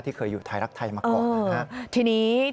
ที่เคยอยู่ไทยรักไทยมาก่อนนะฮะ